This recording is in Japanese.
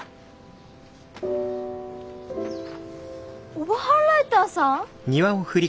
オバハンライターさん？